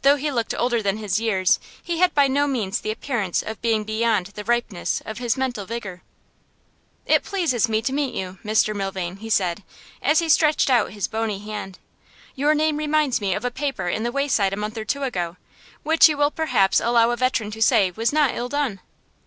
Though he looked older than his years, he had by no means the appearance of being beyond the ripeness of his mental vigour. 'It pleases me to meet you, Mr Milvain,' he said, as he stretched out his bony hand. 'Your name reminds me of a paper in The Wayside a month or two ago, which you will perhaps allow a veteran to say was not ill done.